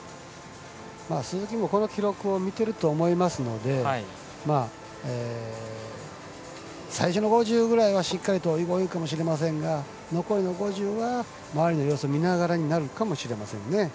鈴木もこの記録を見てると思いますので最初の５０ぐらいは、しっかりと泳ぎきるかもしれませんが残りの５０は周りの様子を見ながらになるかもしれませんね。